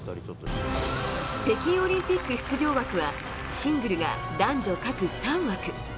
北京オリンピック出場枠はシングルが男女各３枠。